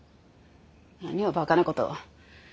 何をバカな事を。